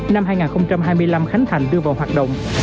năm hai nghìn hai mươi năm khánh thành đưa vào hoạt động